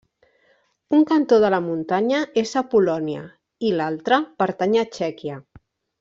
Un cantó de la muntanya és a Polònia i l'altra pertany a Txèquia.